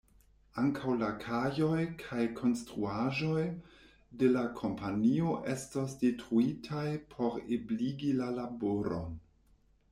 Ankaŭ la kajoj kaj konstruaĵoj de la kompanio estos detruitaj por ebligi la laboron.